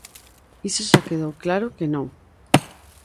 Iso xa quedou claro que non.